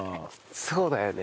そうだよね。